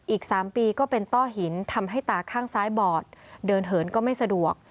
อีก๓ปีก็เป็นต้อหินทำให้ตาข้างซ้ายบอดเดินเหินก็ไม่สะดวก